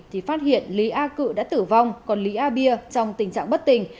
thì phát hiện lý a cự đã tử vong còn lý a bia trong tình trạng bất tình